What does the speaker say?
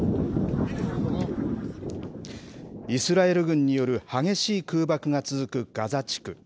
イスラエル軍による激しい空爆が続くガザ地区。